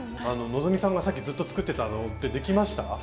希さんがさっきずっと作ってたのってできました？